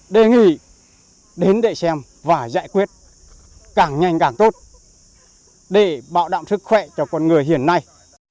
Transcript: đề nghị đến để xem và giải quyết càng nhanh càng tốt để bảo đảm sức khỏe cho con người hiện nay